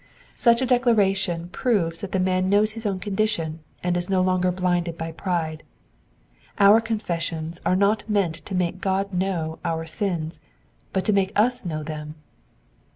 Such a declaration proves that the man knows his own condition, and is no longer blinded by pride. Our confessions are not meant to make God know our sins, but to make us know them.